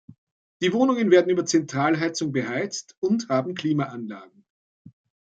Die Wohnungen werden über Zentralheizung beheizt und haben Klimaanlagen.